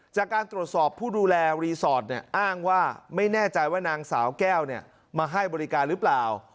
จากการตรวจสอบผู้ดูแลรีสอร์ทอ้างว่าไม่แน่ใจว่านางสาวแก้วมาให้บริการหรือเปล่า